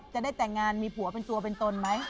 จะได้แต่งงานมีผัวเป็นตัวเป็นตนไหม